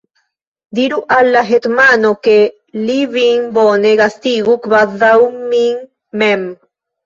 Diru al la hetmano, ke li vin bone gastigu, kvazaŭ min mem.